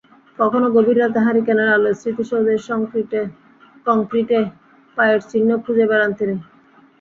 কখনো গভীর রাতে হারিকেনের আলোয় স্মৃতিসৌধের কংক্রিটে পায়ের চিহ্ন খুঁজে বেড়ান তিনি।